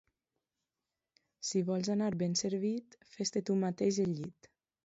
Si vols anar ben servit, fes-te tu mateix el llit.